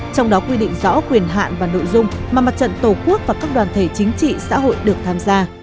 trong đó quy định rõ quyền hạn và nội dung mà mặt trận tổ quốc và các đoàn thể chính trị xã hội được tham gia